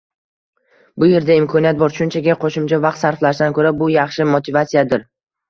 Bu yerda imkoniyat bor, shunchaki qoʻshimcha vaqt sarflashdan koʻra – bu yaxshi motivatsiyadir.